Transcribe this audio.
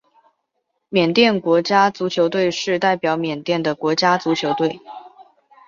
缅甸国家足球队是代表缅甸的国家足球队。